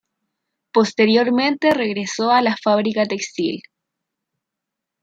Posteriormente regresó a la fábrica textil.